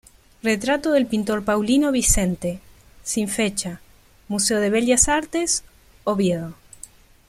Retrato del pintor Paulino Vicente, sin fecha, Museo de Bellas Artes, Oviedo.